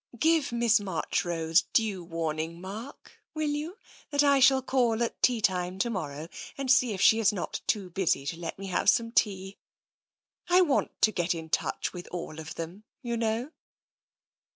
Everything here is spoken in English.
Give Miss Marchrose due warning, Mark, will you, that I shall call at tea time to morrow and see if she is not too busy to let me have some tea. I want to get into touch with all of them, you know."